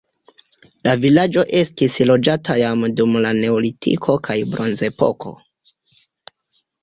La vilaĝo estis loĝata jam dum la neolitiko kaj bronzepoko.